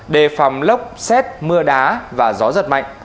đề phòng lốc xét mưa đá và gió giật mạnh